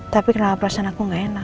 tapi kenapa perasaan aku gak enak